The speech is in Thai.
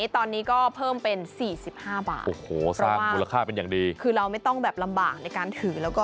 ตอนนี้ก็เพิ่มเป็น๔๕บาท